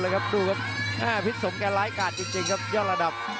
ดูกับพิษสมแก่ร้ายกาจจริงครับยอดระดับ